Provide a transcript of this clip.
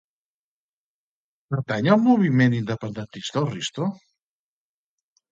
Pertany al moviment independentista el Risto?